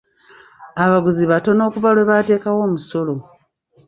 Abaguzi batono okuva lwe baateekawo omusolo.